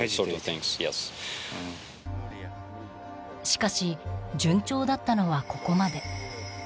しかし、順調だったのはここまで。